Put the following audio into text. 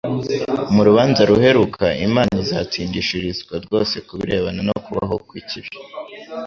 Mu rubanza ruheruka, Imana izatsindishirizwa rwose ku birebana no kubaho kw'ikibi.